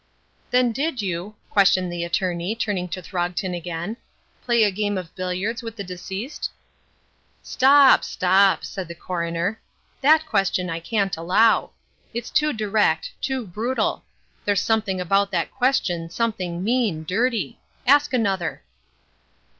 "Then did you," questioned the attorney, turning to Throgton again, "play a game of billiards with the deceased?" "Stop, stop," said the coroner, "that question I can't allow. It's too direct, too brutal; there's something about that question, something mean, dirty. Ask another."